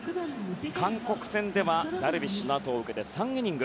韓国戦ではダルビッシュのあとをうけて、３イニング。